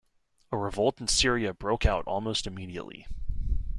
A revolt in Syria broke out almost immediately.